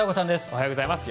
おはようございます。